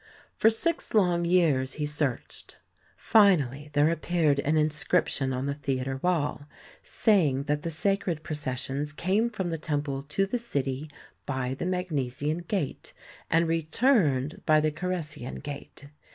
For six long years he searched. Finally there ap peared an inscription on the theatre wall saying that the sacred processions came from the temple to the city by the Magnesian gate, and returned by the Coressian gate.